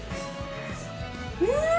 うん！